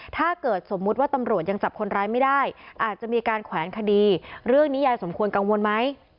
ถ้าเกิดสมมุติว่าตำรวจยังจับคนร้ายไม่ได้อาจจะมีการแขวนคดีเรื่องนี้ยายสมควรกังวลไหม